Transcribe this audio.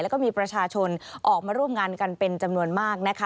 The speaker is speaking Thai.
แล้วก็มีประชาชนออกมาร่วมงานกันเป็นจำนวนมากนะคะ